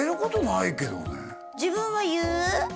自分は言う？